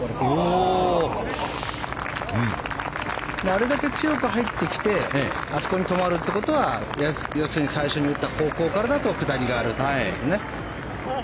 あれだけ強く入ってきてあそこに止まるということは要するに最初に打った方向からだと下りがあるってことですね。